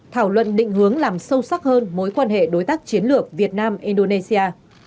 thảo luận định hướng làm sâu sắc hơn mối quan hệ đối tác chiến lược việt nam indonesia